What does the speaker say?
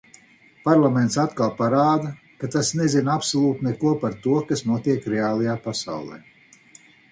Parlaments atkal parāda, ka tas nezina absolūti neko par to, kas notiek reālajā pasaulē.